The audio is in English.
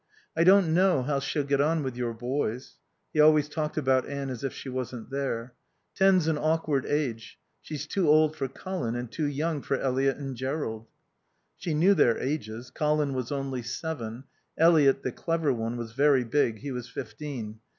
"I don't know how she'll get on with your boys." (He always talked about Anne as if she wasn't there.) "Ten's an awkward age. She's too old for Colin and too young for Eliot and Jerrold." She knew their ages. Colin was only seven. Eliot, the clever one, was very big; he was fifteen.